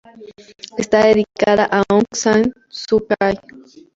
Está dedicada a Aung San Suu Kyi.